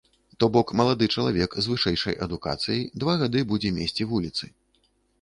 То бок, малады чалавек з вышэйшай адукацыяй два гады будзе месці вуліцы.